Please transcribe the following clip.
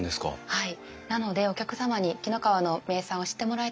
はい。